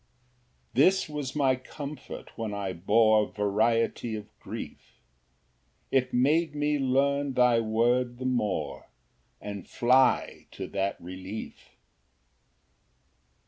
Ver. 50 71. 6 This was my comfort when I bore Variety of grief; It made me learn thy word the more, And fly to that relief.